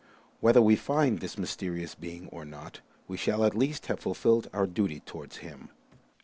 Whether we find this mysterious being or not, we shall at least have fulfilled our duty towards him."